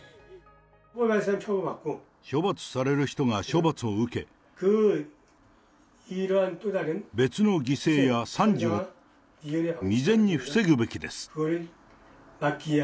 処罰される人が処罰を受け、別の犠牲や惨事を未然に防ぐべきです。